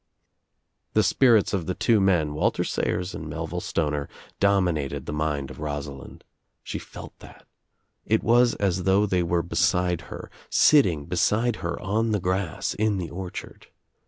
The spirits of the two men, Walter Sayers and Mel ville Stoner, dominated the mind of Rosalind. She felt that. It was as though they were beside her, sit 246 THE TRIUMPH OF THE EGG ting beside her on the grass in the orchard.